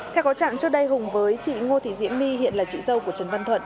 theo có trạng trước đây hùng với chị ngô thị diễm my hiện là chị dâu của trần văn thuận